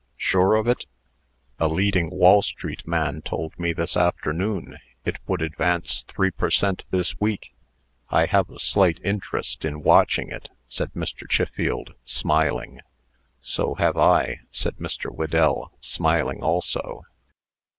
"Sure of it?" "A leading Wall street man told me, this afternoon, it would advance three per cent. this week. I have a slight interest in watching it," said Mr. Chiffield, smiling. "So have I," said Mr. Whedell, smiling also.